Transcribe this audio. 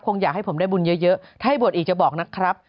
อยากให้ผมได้บุญเยอะถ้าให้บวชอีกจะบอกนะครับ